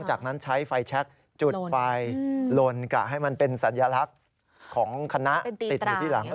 จากนั้นใช้ไฟแชคจุดไฟลนกะให้มันเป็นสัญลักษณ์ของคณะติดอยู่ที่หลัง